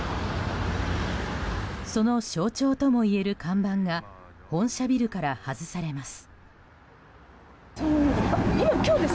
その象徴ともいえる看板が本社ビルから外されます。